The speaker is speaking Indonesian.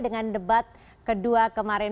dengan debat kedua kemarin